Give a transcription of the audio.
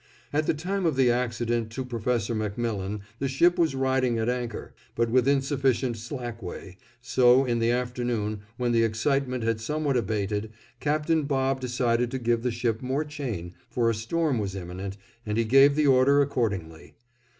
At the time of the accident to Professor MacMillan the ship was riding at anchor, but with insufficient slack way, so in the afternoon, when the excitement had somewhat abated, Captain Bob decided to give the ship more chain, for a storm was imminent, and he gave the order accordingly.